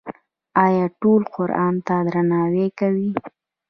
آیا ټول قرآن ته درناوی کوي؟